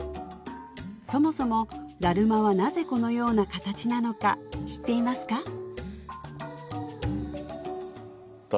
そもそもだるまはなぜこのような形なのか知っていますか？